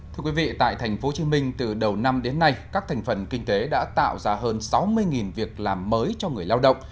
thưa quý vị tại tp hcm từ đầu năm đến nay các thành phần kinh tế đã tạo ra hơn sáu mươi việc làm mới cho người lao động